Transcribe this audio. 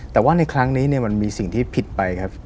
แต่ว่าในครั้งนี้มันมีสิ่งที่ผิดไปครับ